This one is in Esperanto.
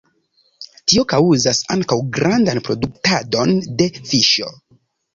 Tio kaŭzas ankaŭ grandan produktadon de fiŝo.